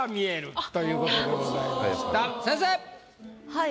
はい。